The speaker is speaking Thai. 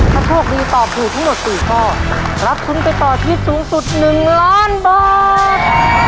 ถ้าโชคดีตอบถูกทั้งหมด๔ข้อรับทุนไปต่อชีวิตสูงสุด๑ล้านบาท